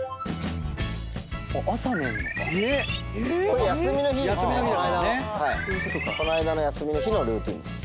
この間の休みの日のルーティンです。